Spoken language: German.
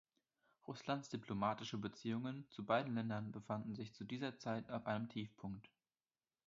Russlands diplomatische Beziehungen zu beiden Ländern befanden sich zu dieser Zeit auf einem Tiefpunkt.